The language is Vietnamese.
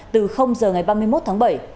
từ giờ ngày ba mươi một tháng bảy